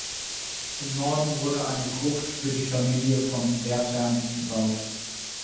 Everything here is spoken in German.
Im Norden wurde eine Gruft für die Familie von Werthern gebaut.